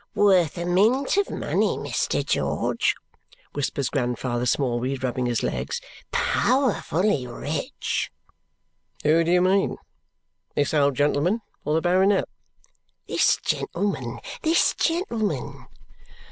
"Worth a mint of money, Mr. George!" whispers Grandfather Smallweed, rubbing his legs. "Powerfully rich!" "Who do you mean? This old gentleman, or the Baronet?" "This gentleman, this gentleman."